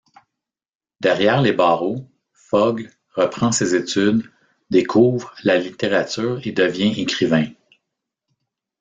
Derrière les barreaux, Fogle reprend ses études, découvre la littérature et devient écrivain.